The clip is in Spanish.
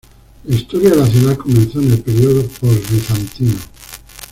La historia de la ciudad comenzó en el período post-bizantino.